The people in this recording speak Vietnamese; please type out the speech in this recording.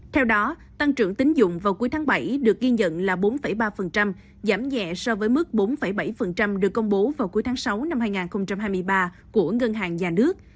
theo đó tăng trưởng tín dụng vào cuối tháng bảy được ghi nhận là bốn ba giảm nhẹ so với mức bốn bảy được công bố vào cuối tháng sáu năm hai nghìn hai mươi ba của ngân hàng nhà nước